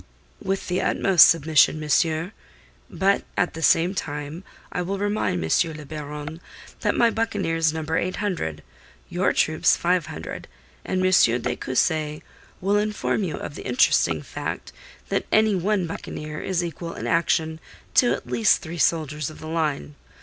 "With the utmost submission, monsieur. But at the same time I will remind M. le Baron that my buccaneers number eight hundred; your troops five hundred; and M. de Cussy will inform you of the interesting fact that any one buccaneer is equal in action to at least three soldiers of the line.